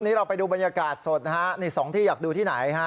นี่เราไปดูบรรยากาศสดสองที่อยากดูที่ไหน